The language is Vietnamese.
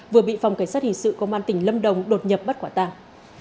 vừa bị phòng cảnh sát hình sự công an tỉnh lâm đồng đột nhập bắt quả tàng